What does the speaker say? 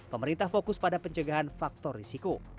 pemerintah fokus pada pencegahan faktor risiko